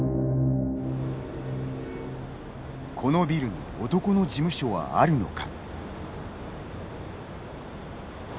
このビルに男の事務所はあるのか。